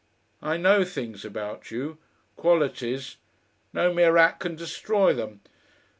I know things about you, qualities no mere act can destroy them..